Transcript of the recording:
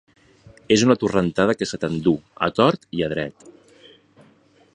És una torrentada que se t'endú, a tort i a dret.